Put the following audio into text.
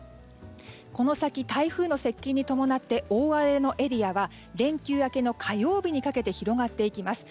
この先、台風の接近に伴って大荒れのエリアは連休明けの火曜日にかけて広がっていきます。